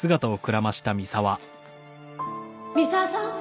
三沢さん？